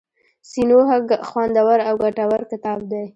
سینوهه خوندور او ګټور کتاب دی.